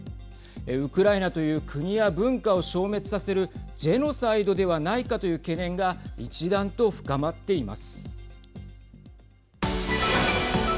ウクライナという国や文化を消滅させるジェノサイドではないかという懸念が一段と深まっています。